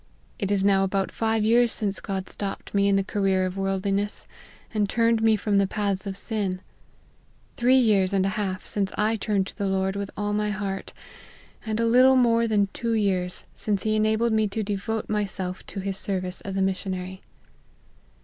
It is now about five years since God stopped me in the career of worldliness, and turned me from the paths of sin : three years and a half since I turned to the Lord with all my heart : and a little more than two years since he enabled me to devote myself to his service as a missionary.